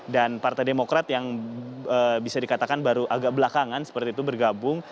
dan partai demokrat yang bisa dikatakan baru agak belakangan seperti itu bergabung